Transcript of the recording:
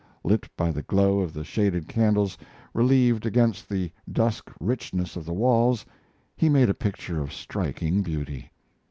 Lit by the glow of the shaded candles, relieved against the dusk richness of the walls, he made a picture of striking beauty.